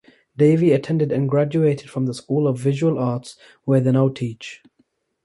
Davy attended and graduated from the School of Visual Arts where they now teach.